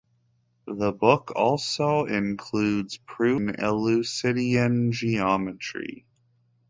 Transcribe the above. The book also includes proofs in Euclidean geometry.